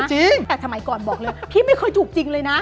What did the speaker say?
จริงแต่สมัยก่อนบอกเลยพี่ไม่เคยถูกจริงเลยนะ